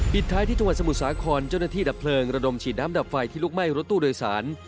ท้ายที่จังหวัดสมุทรสาครเจ้าหน้าที่ดับเพลิงระดมฉีดน้ำดับไฟที่ลุกไหม้รถตู้โดยสาร